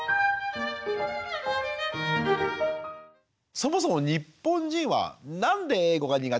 そもそも日本人は何で英語が苦手なのか？